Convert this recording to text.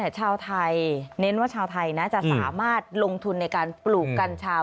ชาวไทยเน้นว่าชาวไทยจะสามารถลงทุนในการปลูกกัญชา